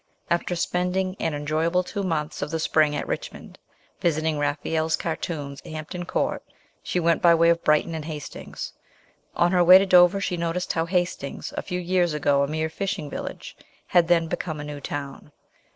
After spending an enjoyable two months of the spring at Richmond, visiting Raphael's cartoons at Hampton Court, she went by way of Brighton and Hastings. On her way to Dover she noticed how Hastings, a few years ago a mere fishing village, had then become a new town.